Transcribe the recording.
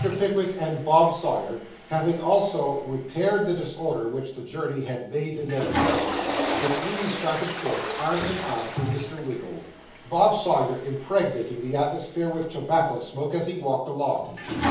Pickwick and Bob Sawyer having also repaired the disorder which the journey had made in their apparel, the three started forth, arm in arm, to Mr. Winkle's; Bob Sawyer impregnating the atmosphere with tobacco smoke as he walked along.